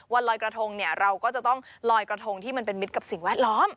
วันลอยกระทงเนี่ยเราก็จะต้องลอยกระทงที่มันเป็นมิตรกับสิ่งแวดล้อม